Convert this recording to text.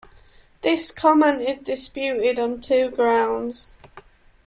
This comment is disputed on two grounds.